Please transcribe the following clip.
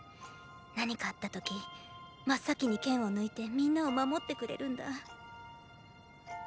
何かあった時真っ先に剣を抜いて皆を守ってくれるんだぁ。